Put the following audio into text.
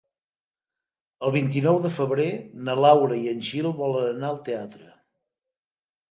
El vint-i-nou de febrer na Laura i en Gil volen anar al teatre.